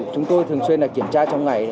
chúng tôi thường xuyên là kiểm tra trong ngày